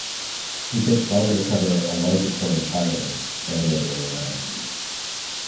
It takes longer to cover a larger cone entirely, and the other way around.